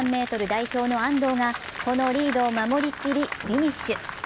ｍ代表の安藤がこのリードを守り切りフィニッシュ。